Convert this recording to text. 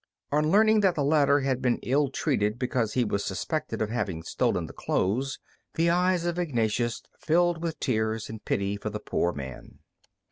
On learning that the latter had been ill treated because he was suspected of having stolen the clothes, the eyes of Ignatius filled with tears, in pity for the poor man.